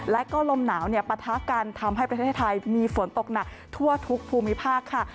และก็ลมหนาวปะทะกันทำให้ประเทศไทยมีฝนตกหนักทั่วทุกภูมิภาคค่ะ